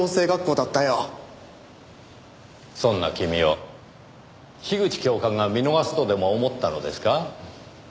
そんな君を樋口教官が見逃すとでも思ったのですか？